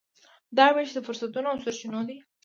دا وېش د فرصتونو او سرچینو دی.